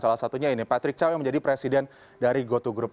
salah satunya ini patrick cawe yang menjadi presiden dari goto group